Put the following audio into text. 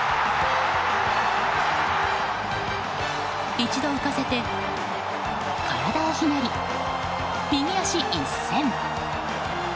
一度浮かせて体をひねり、右足一閃！